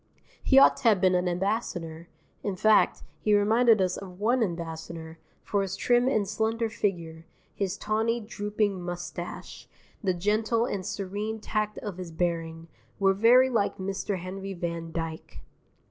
He ought to have been an ambassador (in fact, he reminded us of one ambassador, for his trim and slender figure, his tawny, drooping moustache, the gentle and serene tact of his bearing, were very like Mr. Henry van Dyke).